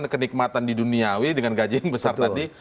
kenikmatan di duniawi dengan gaji yang besar tadi